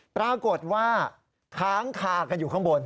ปรากฏว่าค้างคากันอยู่ข้างบน